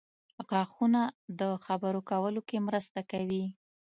• غاښونه د خبرو کولو کې مرسته کوي.